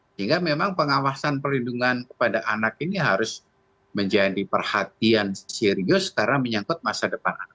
sehingga memang pengawasan perlindungan kepada anak ini harus menjadi perhatian serius karena menyangkut masa depan anak